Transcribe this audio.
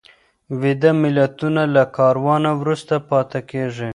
ویده ملتونه له کاروانه وروسته پاته کېږي.